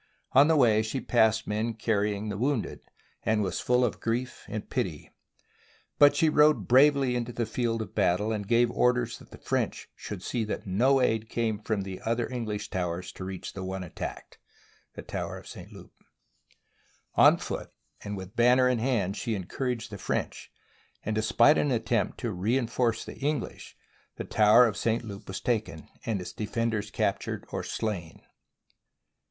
On the way she passed men carrying wounded, and was full of grief and pity. But she rode bravely to the field of battle, and gave orders that the French should see that no aid came from the other English towers to the one attacked — the tower of St. Loup. On foot and banner in hand she encouraged the French, and despite an attempt to reinforce the English, the tower of St. Loup was taken, and its defenders captured or slain.